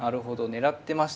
狙ってましたね。